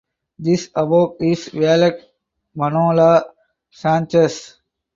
This awoke his valet Manolo Sanchez.